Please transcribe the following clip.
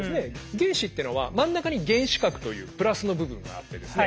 原子っていうのは真ん中に原子核というプラスの部分があってですね